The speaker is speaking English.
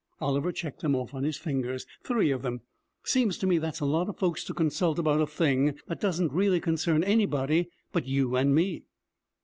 Oliver checked them off on his fingers. 'Three of them. Seems to me that's a lot of folks to consult about a thing that doesn't really concern anybody but you and me!'